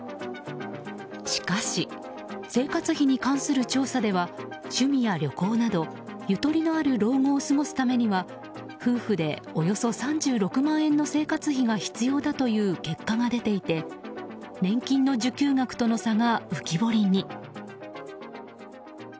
しかし、生活費に関する調査では趣味や旅行などゆとりのある老後を過ごすためには夫婦でおよそ３６万円の生活費が必要だという結果が出ていて年金の受給額との差が浮き彫りに。